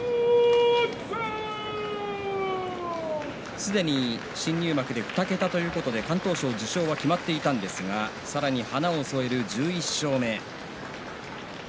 すでに新入幕で２桁ということで敢闘賞受賞が決まっていましたがさらに花を添える１１勝目。